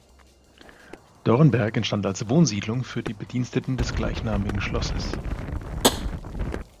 Dornberg entstand als Wohnsiedlung für die Bediensteten des gleichnamigen Schlosses.